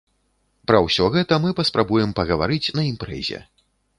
Пра ўсё гэта мы паспрабуем пагаварыць на імпрэзе.